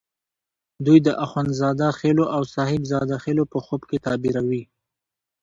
دوی د اخند زاده خېلو او صاحب زاده خېلو په خوب کې تعبیروي.